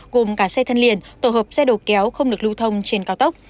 gồm cả xe thân liền tổ hợp xe đồ kéo không được lưu thông trên cao tốc